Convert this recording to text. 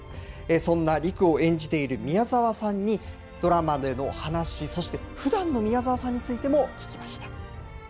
そんなりくを演じている宮沢さんに、ドラマでの話、そしてふだんの宮沢さんについても聞きました。